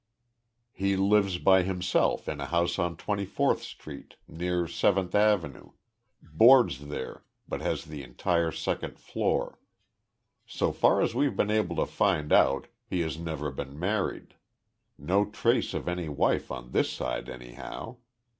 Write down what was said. "He lives by himself in a house on Twenty fourth Street, near Seventh Avenue boards there, but has the entire second floor. So far as we've been able to find out he has never been married. No trace of any wife on this side, anyhow.